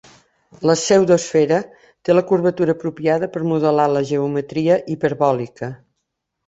La pseudoesfera té la curvatura apropiada per modelar la geometria hiperbòlica.